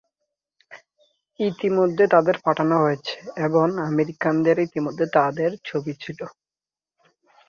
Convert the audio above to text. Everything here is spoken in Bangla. ইতিমধ্যে তাদের পাঠানো হয়েছে এবং আমেরিকানদের ইতিমধ্যে তাদের ছবি ছিল।